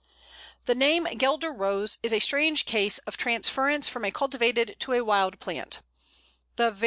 ] The name Guelder Rose is a strange case of transference from a cultivated to a wild plant: the var.